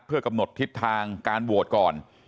เพื่อกำหนดทิศทางการโหวตก่อน